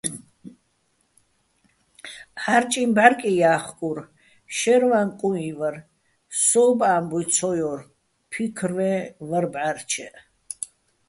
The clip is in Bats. ჺარჭიჼ ბჺარკი ჲა́ხკურ, შაჲრვაჼ კუიჼ ვარ, სო́უბო̆ ა́მბუჲ ცო ჲორ, ფიქრვე́ჼ ვარ ბჺა́რჩეჸ.